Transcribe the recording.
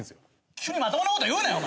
急にまともなこと言うなよお前。